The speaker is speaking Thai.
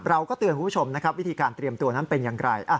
เราก็เตือนคุณผู้ชมนะครับวิธีการเตรียมตัวนั้นเป็นอย่างไร